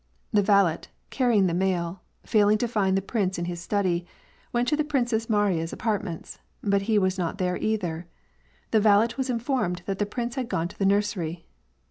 The valet, carrying the mail, failing to find the prince in his study, went to the Princess Mariya's apartments, but he was not there either. The valet was informed that the prince had gone to the nursery.